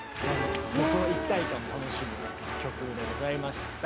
その一体感を楽しむ曲でございました。